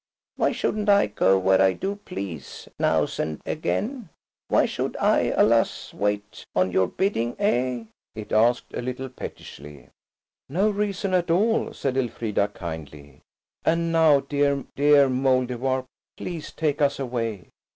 Why shouldn't I go where I do please, nows and again? Why should I allus wait on your bidding–eh?" it asked a little pettishly. "No reason at all," said Elfrida kindly; "and now, dear, dear Mouldiwarp, please take us away."